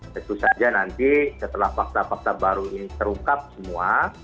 tentu saja nanti setelah fakta fakta baru ini terungkap semua